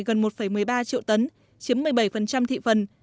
gần một một mươi ba triệu tấn chiếm một mươi bảy thị phần